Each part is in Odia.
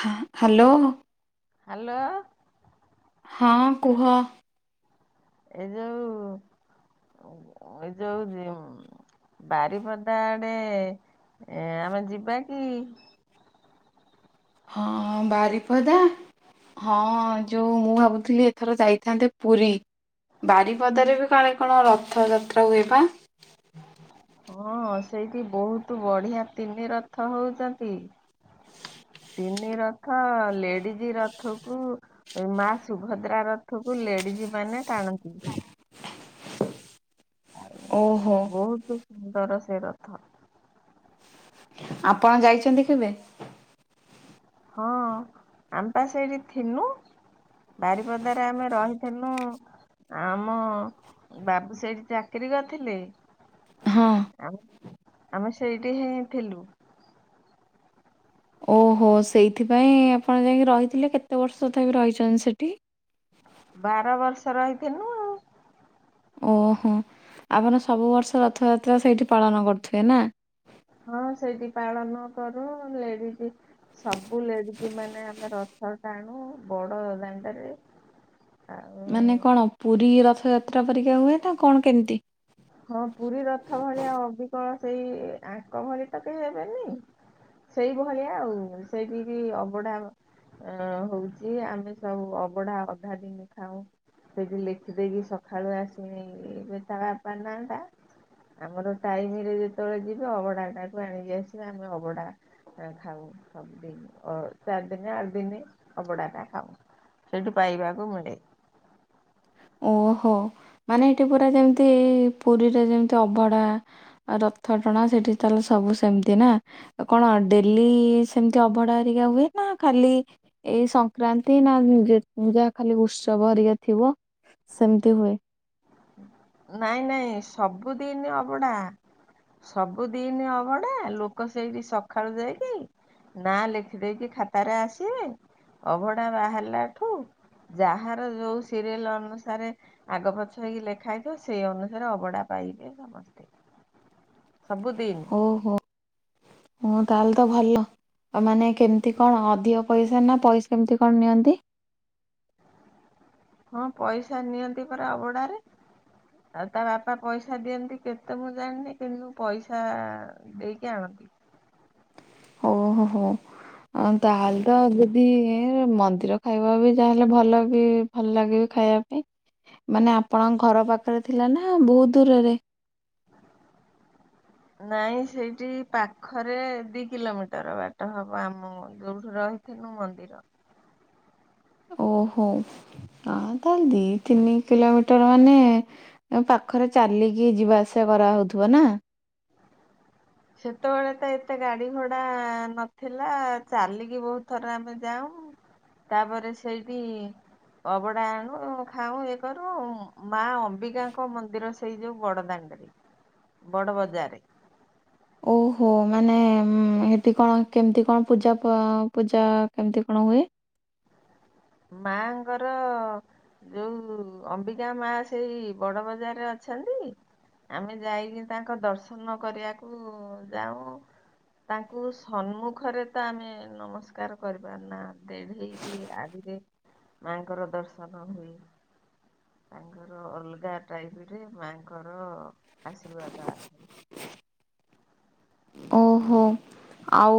ହଁ ହ୍ୟାଲୋ। ହ୍ୟାଲୋ। ହଁ କୁହ। ଏଇ ଯୋଉ ଏଇ ଯୋଉ ବାରିପଦା ଆଡେ ଆମେ ଯିବା କି? ହଁ ବାରିପଦା ହଁ ଯୋଉ ମୁଁ ଭାବୁଥିଲି ଏଥର ଯାଇଥାନ୍ତେ ପୁରୀ। ବାରିପଦାରେ ବି କାଳେ କଣ ରଥଯାତ୍ରା ହୁଏ ବା? ହଁ ସେଇଠି ବହୁତ ବଢିଆ ତିନି ରଥ ହଉଛନ୍ତି। ତିନି ରଥ ଲେଡିଜ ରଥକୁ ଏ ମା ସୁଭଦ୍ରା ରଥକୁ ଲେଡିଜ୍ ମାନେ ଟାଣନ୍ତି। ଆଉ ଓହୋ ବହୁତ ସୁନ୍ଦର ସେ ରଥ। ଆପଣ ଯାଇଛନ୍ତି କେବେ? ହଁ ଆମେ ପା ସେଇଠି ଥିଲୁ। ବାରିପଦାରେ ଆମେ ରହିଥିଲୁ। ଆମ ବାବୁ ସେଇଠି ଚାକିରି କରିଥିଲେ। ହଁ ଆମେ ସେଇଠି ହିଁ ଥିଲୁ। ଓହୋ ସେଇଥିପାଇଁ ଆପଣ ଯାଇକି ରହିଥିଲେ କେତେ ବର୍ଷ ତଥାପି ରହିଛନ୍ତି ସେଇଠି? ବାର ବର୍ଷ ରହିଥିନୁ। ଓହୋ ଆପଣ ସବୁ ବର୍ଷ ରଥଯାତ୍ରା ସେଇଠି ପାଳନ କରୁଥିବେ ନା? ହଁ ସେଠି ପାଳନ କରୁ ଲେଡିଜ ସବୁ ଲେଡିଜ୍ ମାନେ ଆମେ ରଥ ଟାଣୁ ବଡ ଦାଣ୍ଡରେ। ଆଉ। ମାନେ କଣ ପୁରୀ ରଥଯାତ୍ରା ପରିକା ହୁଏ ନା କଣ କେମିତି? ହଁ ପୁରୀ ରଥ ଭଳିଆ ଅବିକଳ ସେଇ ଆଙ୍କ ଭଳିଆ ତ କେହି ହେବେନି। ସେଇ ଭଳିଆ ଆଉ ସେଇଠିକି ଅବଢା ହବ। ଅ ହୋଉଚି ଆମେ ସବୁ ଅବଢା ଅଧା ଦିଇନି ଖାଉ। ସେଠି ଲେଖିଦେବିକି ସକାଳୁ ଆସି ମିନି ତାଆ ବାପା ନାଟା। ଆମର ଟାଇମ୍ ରେ ଯେତେବେଳେ ଯିବ ଅବଢା ଟାକୁ ଆଣିକି ଆସିବେ ଆମେ ଅବଢା ଖାଉ ସବୁଦିଇନି ଚାରି ଦିଇନେ ଆଠ ଦିଇନ ଅବଡା ଟା ଖାଉ। ସେଇଠୁ ପାଇବାକୁ ମିଳେ। ଓହୋ ମାନେ ହେଠି ପୁରା ଯେମିତି ପୁରୀରେ ଯେମିତି ଅଭଢା ଆଉ ରଥ ଟଣା ସେଠି ତାହେଲେ ସବୁ ସେମିତି ନା। କଣ ଡେଲି ସେମିତି ଅବଢା ହେରିକା ହୁଏ ନା ଖାଲି ଏଇ ସଂକ୍ରାନ୍ତି ନା ଯାହା ଖାଲି ଉତ୍ସବ ହରିକା ଥିବ। ସେମିତି ହୁଏ। ନାଇଁ ନାଇଁ ସବୁଦିଇନି ଅବଢା। ସବୁଦିଇନି ଅଭଢା ଲୋକ ସେଇଠି ସକାଳୁ ଯାଇକି ନା ଲେଖିଦେଇକି ଖାତାରେ ଆସିବେ। ଅଭଢା ବାହାରିଲା ଠୁ ଯାହାର ଯୋଉ ସିରିଏଲ ଅନୁସାରେ ଆଗ ପଛ ହେଇକି ଲେଖା ହେଇଥିବ ସେଇ ଅନୁସାରେ ଅବଢଡା ପାଇବେବେ ସମସ୍ତେ ସବୁଦିଇନି। ଓହୋ ହୁଁ ତାହେଲେ ତ ଭଲ। ମାନେ କେମିତି କଣ ଅଧିକ ପଇସା ନା ପଇସା କେମିତି କଣ ନିଅନ୍ତି? ହଁ ପଇସା ନିଅନ୍ତି ପରା ଅଭଡାରେ। ଆଉ ତା ବାପା ପଇସା ଦିଅନ୍ତି କେତେ ମୁଁ ଜାଣିନି କିନ୍ତୁ ପଇସା ଦେଇକି ଆଣନ୍ତି। ଓ ହୋ ହୋ। ହଁ ତାହେଲେ ତ ଯଦି ମନ୍ଦିର ଖାଇବା ବି ଯାହାେଲେ ଭଲ ବି ଭଲ ଲାଗିବି ଖାଇବା ପାଇଁ ମାନେ ଆପଣଙ୍କ ଘର ପାଖରେ ଥିଲା ନା ବୋହୁତ ଦୂରରେ? ନାଇଁ ସେଇଠି ପାଖରେ ଦିଇ କିଲୋମିଟର ବାଟ ହବ ଆମ ଯୋଉଠୁ ରହି ଥିନୁ ମନ୍ଦିର। ଓହୋ ଆ ତାହେଲେ ଦିଇ ତିନି କିଲୋମିଟର ମାନେ ଏ ପାଖରେ ଚାଲିକି ଯିବା ଆସିବା କରାହୋଉଥିବ ନା। ସେତେବେଳେ ତ ଏତେ ଗାଡି ଘୋଡା ନଥିଲା ଚାଲିକି ବୋହୁତ ଥର ଆମେ ଯାଉଁ। ତା ପରେ ସେଇଠି ଅଭଡା ଆଣୁ ଖାଉଁ ଇଏ କରୁ ମା ଅମ୍ବିକାଙ୍କ ମନ୍ଦିର ସେ ସେଇ ଯୋଉ ବଡଦାଣ୍ଡରେ ବଡ ବଜାରେ। ଓହୋ ମାନେ ସେଠି କଣ କେମିତି କଣ ପୂଜା ପୂଜା କେମିତି କଣ ହୁଏ? ମା ଙ୍କର ଯୋଉ ଅମ୍ବିକା ମା ସେଇ ବଡ ବଜାରେ ଅଛନ୍ତି? ଆମେ ଯାଇକି ତାଙ୍କ ଦର୍ଶନ କରିଆକୁ ଯାଉଁ। ତାଙ୍କୁ ସମ୍ମୁଖରେ ତ ଆମେ ନମସ୍କାର କରିପାରୁ ନା ଦେଢେଇକି ଆଡେ କି ମା ଙ୍କର ଦର୍ଶନ ହୁଏ। ତାଙ୍କର ଅଲଗା ଟାଇପ୍ ରେ ମା ଙ୍କର ଆଶୀର୍ବାଦ ଆସେ। ହ [unintelligible] ଓହୋ ଆଉ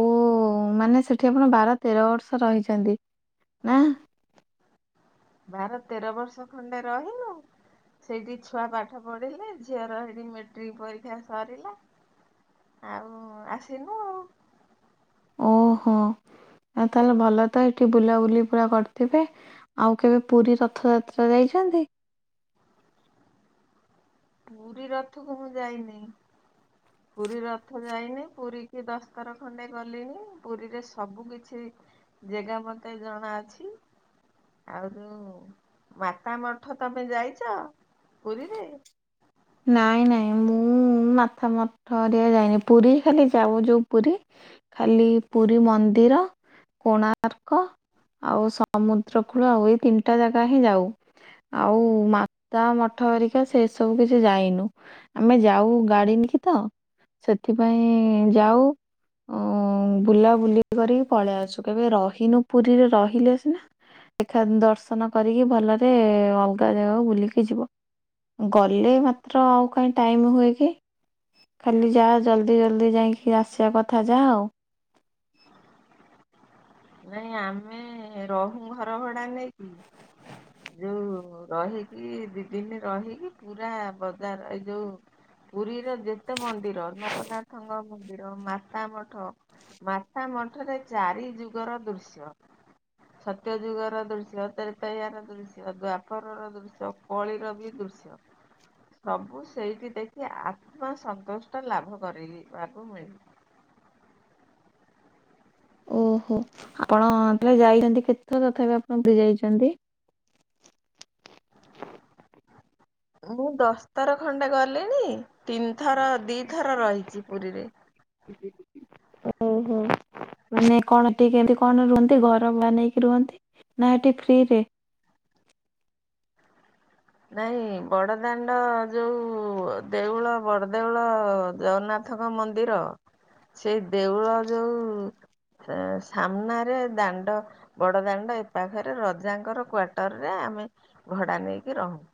ମାନେ ସେଠି ଆପଣ ବାର ତେର ବର୍ଷ ରହିଚନ୍ତି। ନାଆ। ବାର ତେର ବର୍ଷ ଖଣ୍ଡେ ରହିଲୁ। ସେଇଠି ଛୁଆ ପାଠ ପଢିଲେ ଝିଅର ସେଇଠି ମେଟ୍ରିକ୍ ପରୀକ୍ଷା ସରିଲା ଆଉ ଆସିଲୁ ଆଉ। ଓହୋ ଆଉ ତା ହେଲେ ଭଲ ତ ହେଠି ବୁଲାବୁଲି ପୁରା କରିଥିବେ ଆଉ କେବେ ପୁରୀ ରଥଯାତ୍ରା ଯାଇଛନ୍ତି? ପୁରୀ ରଥକୁ ମୁଁ ଯାଇନି। [unintelligible] ପୁରୀ ରଥ ଯାଇନି ପୁରୀ କି ଦଶଥର ଖଣ୍ଡେ ଗଲିଣିି ପୁରୀରେ ସବୁ କିଛି- ଜେଗା ମତେ ଜଣା ଅଛି। ଆଉ ମାତା ମଠ ତମେ ଯାଇଛ, ପୁରୀରେ? ନାଇଁ ନାଇଁ ମୁଁ ମାତା ମଠ [unintelligible] ପୁରୀ ଖାଲି ଯାଉ ଯୋଉ ପୁରୀ ଖାଲି ପୁରୀ ମନ୍ଦିର କୋଣାର୍କ ଆଉ ସମୁଦ୍ରକୂଳ ଆଉ ଏଇ ତିନିଟା ଜାଗା ହିଁ ଯାଏ। ଆଉ ମାତାମଠ ହେରିକା ସେ ସବୁ କୁ ଯା ଯାଇନୁ ଆମେ ଯାଉ ଗାଡି ନେଇକି ତ ସେଥିପାଇଁ ଯାଉ ଉଁ ବୁଲା ବୁଲି କରିକି ପଳେଇ ଆସୁ କେବେ ରହିନୁ ପୁରୀରେ ରହିଲେ ସିିନା ଦେଖା ଦର୍ଶନ କରିକି ଭଲରେ ଅଲଗା ଜାଗାକୁ ବୁଲିକି ଯିବ। ଗଲ-୍- ହେଲେ ମାତ୍ର ଆଉ କାଇଁ ଟାଇମ୍ ହୁଏ କି। ଖାଲି ଯା ଜଲ୍ଦି ଜଲ୍ଦି ଯାଇକି ଆସିଵା କଥା ଯାହା ଆଉ। ନାଇଁ ଆମେ ରହୁଁ ଘର ଭଡା ନେଇକି ଯୋଉ ରହିକି ଦି ଦିନି ରହିକି ପୁରା ବଜାର ଏଇ ଯୋଉ ପୁରୀରେ ଯେତେ ମନ୍ଦିର ଲୋକନାଥଙ୍କ ମନ୍ଦିର, ମାତା ମଠ, ମା ତା ମଠରେ ଚାରି ଯୁଗର ଦୃଶ୍ୟ ସତ୍ୟ ଯୁଗ ର ଦୃଶ୍ୟ ତେତ୍ରୟା ର ଦୃଶ୍ୟ, ଦ୍ଵାପର ର ଦୃଶ୍ୟ, କଳିର ବି ଦୃ ଶ୍ୟ ସବୁ ସେଇଠି ଦେଖି ଆତ୍ମାସନ୍ତୁଷ୍ଟ ଲାଭ କରିଲେ ଲାଭ ମିଳେ। ଓହୋ ଆପଣ ଯୋଉ ଯାଇଚନ୍ତି, କେତେଥର ତଥାପି ଆପଣ ପୁରୀ ଯାଇଛନ୍ତି? ମୁଁ ଦଶଥର ଖଣ୍ଡେ ଗଲିଣି ତିନିଥର ଦି ଥର ରହିଚି ପୁରୀରେ। ଓହୋ। ମାନେ କଣ ଟିକ୍ କେମତି କଣ ରୁହନ୍ତି ଘର ବନେଇକି ରୁହନ୍ତି? ନା ହେଠି ଫ୍ରି ରେ? ନାଇଁ ବଡ଼ଦାଣ୍ଡ ଯୋଉ ଦେଉଳ ବଡଦେଉଳ ଜଗନ୍ନା ଥଙ୍କ ମନ୍ଦିର ସେଇ ଦେଉଳ ଯୋଉ ସେ ସାମ୍ନାରେ ଦାଣ୍ଡ ବଡ ଦାଣ୍ଡ ଏ ପାଖରେ ରଜାଙ୍କର କ୍ଵୋଟର ରେ ଆମେ ଭଡା ନେଇକି ରହୁ।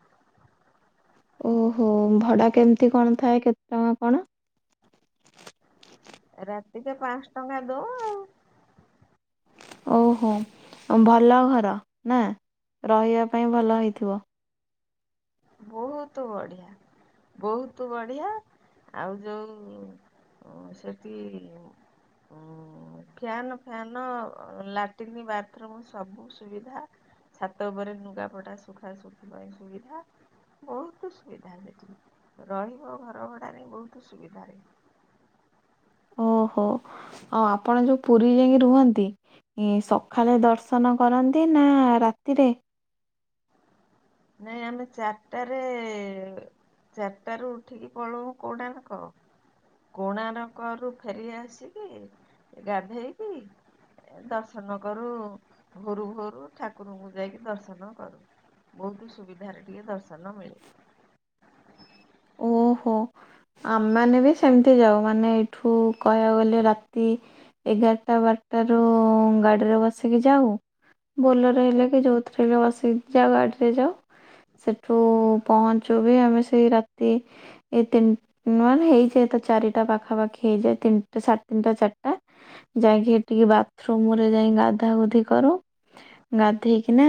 ଓହୋ ଭଡ଼ା କେମିତି କଣ ଥାଏ କେତେ ଟଙ୍କା କଣ? ରାତିରେ ପାଁଶ ଟଙ୍କା ଦୋଉ ଓହୋ ଭଲ ଘର ନା ରହିବା ପାଇଁ ଭଲ ହେଇଥିବ? ବହୁତ ବଢିଆ। ବହୁତ ବଢିଆ ଆଉ ଯୋଉ ସେଠି ଫ୍ୟାନ୍ ଫ୍ୟାନ୍‌ ଲାଟିନ୍ ବାଥରୁମ୍ ସବୁ ସୁବିଧା। ଛାତ ଉପରେ ନୁଗା ପଟା ଶୁଖା ଶୁଖି ପାଇଁ ସୁବିଧା ବହୁତ ସୁବିଧା ସେଠି ରହିବ ଘର ଭଡାରେ ବହୁତ ସୁବିଧାରେ। ଓହୋ ଆପଣ ଯୋଉ ପୁରୀ ଯାଇ ରୁହନ୍ତି ଏ ସକାଳେ ଦର୍ଶନ କରନ୍ତି ନା ରାତିରେ? ନାଇଁ ଆମେ ଚାରିଟାରେ ଚାରିଟାରୁ ଉଠିକି ପଳଉ କୋଣାର୍କ। କୋଣାର୍କରୁ ଫେରି ଆସିକି ଗାଧେଇକି ଏ ଦର୍ଶନ କରୁ, ଭୋରୁ ଭୋରୁ ଠାକୁରଙ୍କୁ ଯାଇକି ଦର୍ଶନ କରୁ। ବୋହୁତ୍ ସୁବିଧାରେ ଟିକେ ଦର୍ଶନ ମିଳେ। ଓହୋ। ଆମେମାନେ ବି ଏମିତି ଯାଉ ମାନେ ଏଇଠୁ କହିବାକୁ ଗଲେ ରାତି ଏଗାରଟା ବାରଟାରୁ ଗାଡ଼ିରେ ବସିକି ଯାଉ। ବୋଲେର ହେଲେ ବି ଯୋଉ ଥିରେ ହେଲେ ବସିକି ଯାଉ ଗାଡ଼ିରେ ଯାଉ। ସେଠୁ ପହଞ୍ଚୁ ବି ଆମେ ସେଇ ରାତି ଏ ତିନି ନହନେ ହେଇଯାଏ ତ ଚାରିଟା ପାଖାପାଖି ହେଇଯାଏ ତିନିଟା ସାଢେ ତିନିଟା ଚାରିଟା। ଯାଇକି ହେଇ ଟିକେ ବାଥରୁମ୍ ରେ ଯାଇଁ ଗାଧା ଗୁଧି କରୁ। ଗାଧେଇକିନା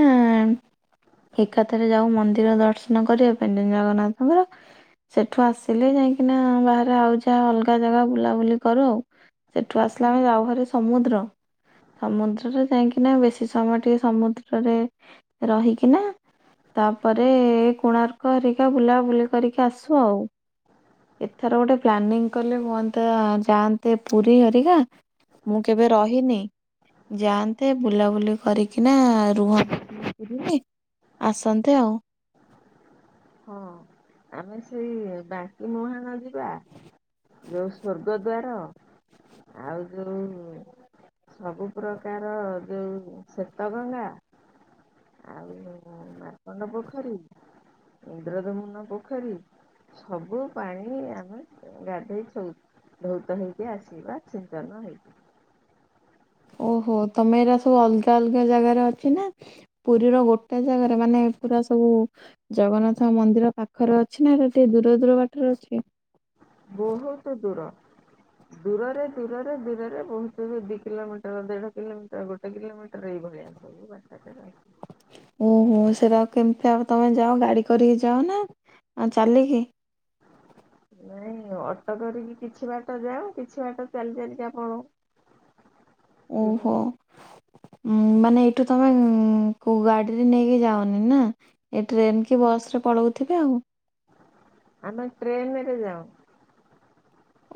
ଏକାଥରେ ଯାଉ ମନ୍ଦିର ଦର୍ଶନ କରିବା ପାଇଁ ଜଗନ୍ନାଥଙ୍କର। ସେଠୁ ଆସିଲେ ଯାଇକିନା ବାହାରେ ଆଉ ଯାହା ଅଲଗା ଜାଗା ବୁଲାବୁଲି କରୁ ଆଉ। ସେଠୁ ଆସିଲେ ଆମେ ଯାଉ ହାରି ସମୁଦ୍ର। ସମୁଦ୍ରରେ ଯାଇକିନା ବେଶୀ ସମୟ ଟିକେ ସମୁଦ୍ରରେ ରହିକିନା ତାପରେ କୋଣାର୍କ ହେରିକା ବୁଲାବୁଲି କରିକି ଆସୁ ଆଉ। ଏଥର ଗୋଟେ ପ୍ଲାନିଂ କଲେ ହୁଅନ୍ତା ଯାଆନ୍ତେ ପୁରୀ ହରିକା। ମୁଁ କେବେ ରହିନି। ଯା ନ୍ତେ, ବୁଲାବୁଲି କରିକିନା ରୁହନ୍ତ ଆସନ୍ତେ ଆଉ। ହଁ ଆମେ ସେଇ ବାଙ୍କିମୁହାଣ ଯିବା। ଯୋଉ ସ୍ଵର୍ଗଦ୍ଵାର। ଆଉ ଯୋଉ ସବୁ ପ୍ରକାର ଯୋଉ ଶ୍ଵେତ ଗଙ୍ଗା ଆଉ ମାର୍କଣ୍ଡ ପୋଖରୀ, ଇନ୍ଦ୍ରଧମୁନ ପୋଖରୀ ସବୁ ପାଣି ଆମେ ଗାଧୋଇ ସଉଛୁ। ବହୁତ ହେଇକି ଆସିବା ସିଞ୍ଚନ ହେଇକି। ଓହୋ। ତମେ ଏରା ସବୁ ଅଲଗା ଅଲଗା ଜାଗାରେ ଅଛି ନା ପୁରୀର ଗୋଟେ ଜାଗାରେ ମାନେ ପୁରା ସବୁ ଜଗନ୍ନାଥ ମନ୍ଦିର ପାଖରେ ଅଛି ନା ଟିକେ ଦୂର ଦୂର ବାଟରେ ଅଛି? ବୋହୁତୁ ଦୂର। ଦୂରରେ, ଦୂରରେ, ଦୂରରେ ବୋହୁତ୍ ବି ଦି କିଲୋମିଟର ଦେଢ କିଲୋମିଟର ଗୋଟେ କିଲୋମିଟର ଏଇ ଭଳିଆ। ବଷ [unintelligible] ଉଁ ହୁଁ, ସେଇଟା କେମିତି ତମେ ଯାଅ ଗାଡ଼ି କରିକି ଯାଅ ନା ଆଉ ଚାଲିକି? ନାଇଁ ଅଟୋ କରିକି କିଛି ବାଟ ଯାଉ। କିଛି ବାଟ ଚାଲି ଚାଲିକା ପଳଉ। ଓହୋ। ଏଇଭଳି ଉଁ ମାନେ ଏଇଠୁ ତମେ କୋଉ ଗାଡିରେ ନେଇକି ଯାଅନି ନା? ଏ ଟ୍ରେନ୍ କି ବସ୍ ରେ ପଳଉଥିବେ ଆଉ? ଆମେ ଟ୍ରେନ୍ ରେ ଯାଉ।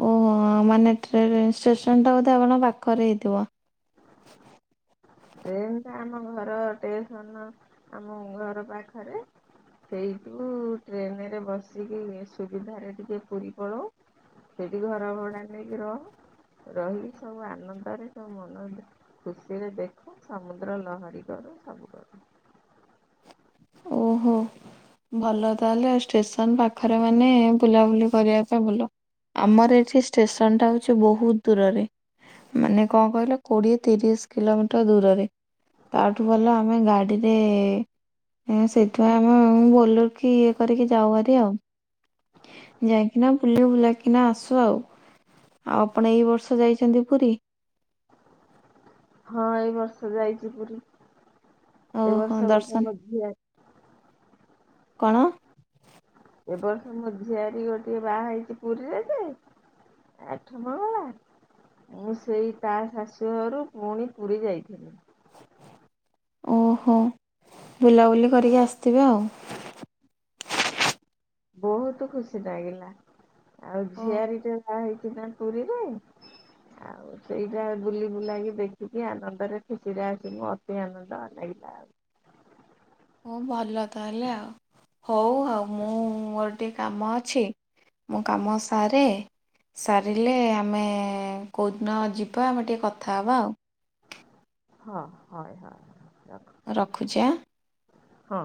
ଓହୋ, ମାନେ ଟ୍ରେ ଷ୍ଟେସନଟା ବୋଧେ ଆପଣଙ୍କ ପାଖରେ ହେଇଥିବ? ଟ୍ରେନ୍ ଟା ଆମ ଘର ଷ୍ଟେସନ ଆମ ଘର ପାଖରେ। ସେଇଠୁ ଟ୍ରେନ୍ ରେ ବସିକି ସୁବିଧାରେ ଟିକେ ପୁରୀ ପଳଉ। ସେଠି ଘର ଭଡା ନେଇକି ରହୁ। ରହିିକି ସବୁ ଆନନ୍ଦରେ ସବୁ ମନ ଖୁସିରେ ଦେଖୁ, ସମୁଦ୍ର ଲହରୀ କରୁ, ସବୁ କରୁ। ଓହୋ। ଭଲ ତାହେଲେ, ଷ୍ଟେସନ ପାଖରେ ମାନେ ବୁଲାବୁଲି କରିବା ପାଇଁ ଭଲ। ଆମର ଏଠି ଷ୍ଟେସନଟା ହଉଚି ବହୁତ୍ ଦୂରରେ। ମାନେ କଣ୍ କହିଲ କୋଡିଏ ତିରିଶ୍ କିଲୋମିଟର ଦୂରରେ। ତାଠୁ ଭଲ ଆମେ ଗାଡ଼ିରେ ଏଁ ସେଥିପାଇଁ ଆମେ ବୋଲେର୍ କି ଇଏ କରିକି ଯାଉ ଭାରି ଆଉ। ଯାଇକିନା ବୁଲିବୁଲା କିନା ଆସୁ ଆଉ। ଆଉ ଆପଣ ଏଇ ବର୍ଷ ଯାଇଚନ୍ତି ପୁରୀ? ହଁ ଏଇ ବର୍ଷ ଯାଇଚି ପୁରୀ ଏ ଓହୋ ବର୍ଷ ଗୋଟେ ଦର୍ଶନ [unintelligible] କଣ? ଏ ବର୍ଷ ମୋ ଝିଆରୀ ଗୋଟିଏ ବାହା ହେଇଚି ପୁରୀରେ ଯେ ଆଠ ନ [unintelligible] ମୁଁ ସେଇ ତା ଶାଶୁ ଘରୁ ପୁଣି ପୁରୀ ଯାଇଥିଲି। ଉଁ-ହୁ ବୁଲାବୁଲି କରିକି ଆସିଥିବେ ଆଉ। ବହୁତୁ ଖୁସି ଲାଗିଲା ଆଉ ଓହୋ ଝିଆରୀଟେ ବାହା ହେଇଚି ନା ପୁରୀରେ। ଆଉ ସେଇଟା ବୁଲି ବୁଲାକି ଦେଖିକି ଆନନ୍ଦରେ ଖୁସିରେ ଆସିଲୁ ଅତି ଆନନ୍ଦ ଲାଗିଲା ଆଉ। ହଁ ଭଲ ତାହେଲେ ଆଉ ହଉ ଆଉ ମୁଁ ଟିକେ କାମ ଅଛି ମୁଁ କାମ ସାରେ ସାରିଲେ ଆମେ କଉଦିନ ଯିବା ଆମେ ଟିକେ କଥା ହେବା ଆଉ। ହଁ- ହଁ- ହଁ- ରଖୁଚି। ରଖୁଚି ଆଁ। ହଁ।